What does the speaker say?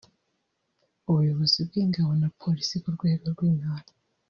Ubuyobozi bw’Ingabo na Polisi ku rwego rw’Intara